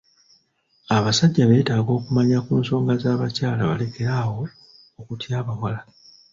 Abasajja beetaaga okumanya ku nsonga z'abakyala balekere awo okutya abawala.